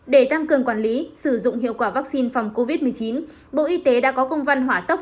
để tăng cường quản lý sử dụng hiệu quả vaccine phòng covid một mươi chín bộ y tế đã có công văn hỏa tốc